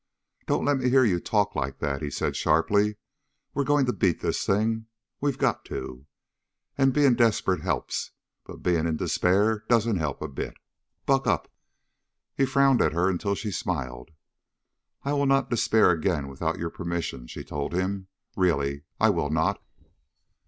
"Don't let me hear you talk like that!" he said sharply. "We're going to beat this thing! We've got to! And being desperate helps, but being in despair doesn't help a bit. Buck up!" He frowned at her until she smiled. "I will not despair again without your permission," she told him. "Really. I will not."